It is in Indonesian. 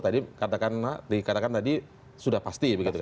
tadi dikatakan tadi sudah pasti